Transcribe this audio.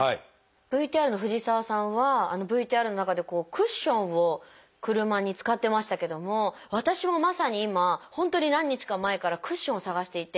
ＶＴＲの藤沢さんはＶＴＲの中でクッションを車に使ってましたけども私もまさに今本当に何日か前からクッションを探していて。